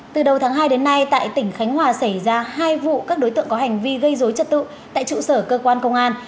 từ đầu tháng hai đến nay tại tỉnh khánh hòa xảy ra hai vụ các đối tượng có hành vi gây dối trật tự tại trụ sở cơ quan công an